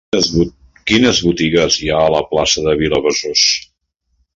Quines botigues hi ha a la plaça de Vilabesòs?